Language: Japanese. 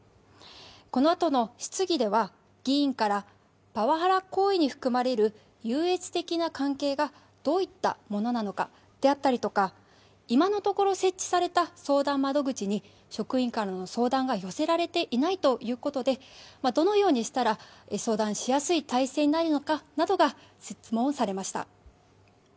このあとの質疑では議員からパワハラ行為に含まれる優越的な関係がどういったものなのかであったりとか、今のところ設置された相談窓口に職員からの相談が寄せられていないということでどのようにしたら相談しやすい体制になるのかなどが質問されました。